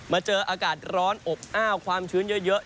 เจออากาศร้อนอบอ้าวความชื้นเยอะ